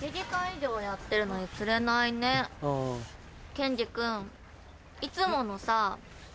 ケンジ君いつものさ。